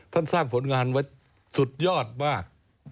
สร้างผลงานไว้สุดยอดมาก